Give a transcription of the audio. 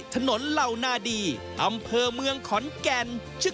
เหล่านาดีอำเภอเมืองขอนแก่น